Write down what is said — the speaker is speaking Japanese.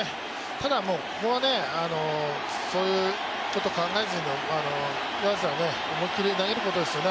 ただ、ここはそういうことを考えずに、湯浅は思いっきり投げることですよね。